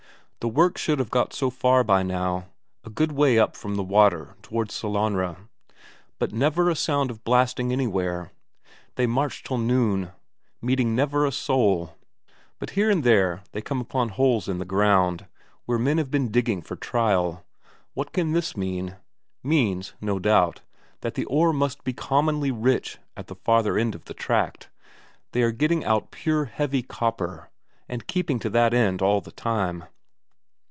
The work should have got so far by now; a good way up from the water towards Sellanraa. But never a sound of blasting anywhere. They march till noon, meeting never a soul; but here and there they come upon holes in the ground, where men have been digging for trial. What can this mean? Means, no doubt, that the ore must be more than commonly rich at the farther end of the tract; they are getting out pure heavy copper, and keeping to that end all the time.